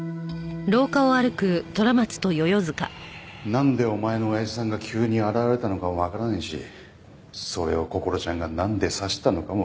なんでお前の親父さんが急に現れたのかもわからんしそれをこころちゃんがなんで刺したのかもわからん。